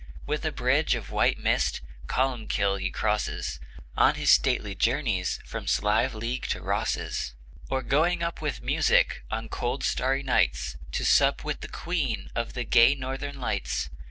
With a bridge of white mist Columbkill he crosses, On his stately journeys From Sliveleague to Rosses; Or going up with music On cold starry nights, To sup with the Queen Of the gay northern lights.